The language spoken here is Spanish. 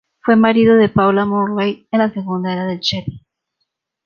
Fue marido de Paula Morley en la segunda era Jedi.